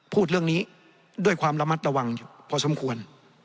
พูดเรื่องนี้ด้วยความระมัดระวังอยู่พอสมควร